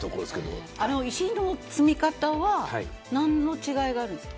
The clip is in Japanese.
石の積み方は何の違いがあるんですか。